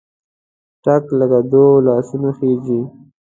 ټک له دوو لاسونو خېژي.